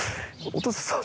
お父さん。